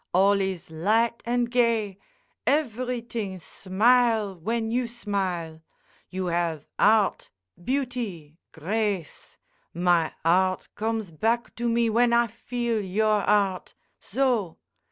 All is light and gay; ever'ting smile w'en you smile. You have 'eart, beauty, grace. My 'eart comes back to me w'en I feel your 'eart. So!"